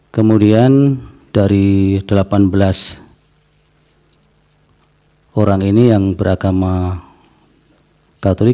kemudian dari delapan belas orang ini yang beragama katolik